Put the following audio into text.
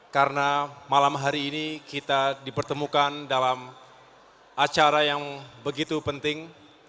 karena malam hari ini kita dipertemukan dalam acara yang begitu penting